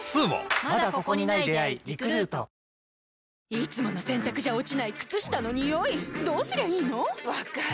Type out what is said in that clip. いつもの洗たくじゃ落ちない靴下のニオイどうすりゃいいの⁉分かる。